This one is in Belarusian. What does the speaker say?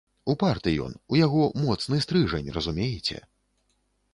Упарты ён, у яго моцны стрыжань, разумееце.